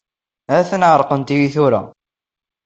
Ha-t-an ɛerqent-iyi tura.